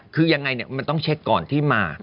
คือยังไงมันต้องเช็คก่อนที่มา